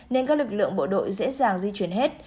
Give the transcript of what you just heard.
nên các lực lượng bộ đội dễ dàng di chuyển hết